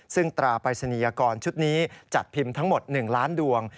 ซึ่งตราปริศนียกรชุดนี้จัดพิมพ์ทั้งหมด๑ล้านดวง